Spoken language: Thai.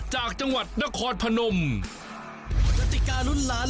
เหนือก็มี